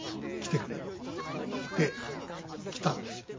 で来たんですよ。